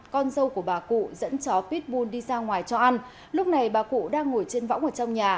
con dâu của bà cụ dẫn chó pitbull đi ra ngoài cho ăn lúc này bà cụ đang ngồi trên võng ở trong nhà